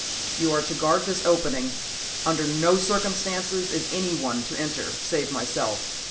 "You are to guard this opening. Under no circumstances is anyone to enter save myself.